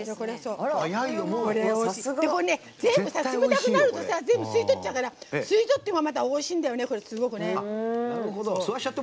冷たくなると全部、吸い取っちゃうから吸い取ってもまたおいしいんだよね。